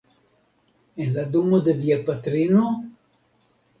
En la domo de via patrino?